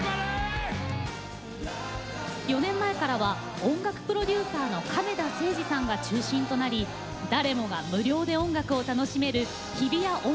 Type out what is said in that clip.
４年前からは音楽プロデューサーの亀田誠治さんが中心となり誰もが無料で音楽を楽しめる日比谷音楽祭がスタート。